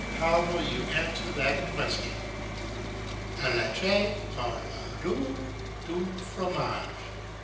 How will you answer that question? "Alleche, par l'odeur d'un fromage."